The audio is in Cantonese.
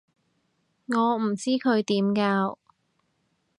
我唔知佢點教